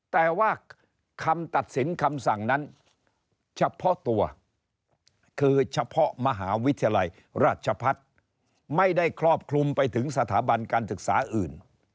แต่ว่าคำตัดสินคำสั่งนั้นเฉพาะตัวคือเฉพาะมหาวิทยาลัยราชพัฒน์ไม่ได้ครอบคลุมไปถึงสถาบันการศึกษาอื่น